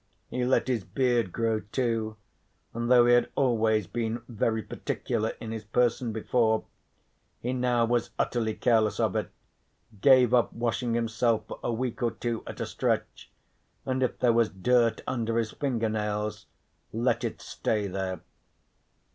He let his beard grow too, and though he had always been very particular in his person before, he now was utterly careless of it, gave up washing himself for a week or two at a stretch, and if there was dirt under his finger nails let it stop there.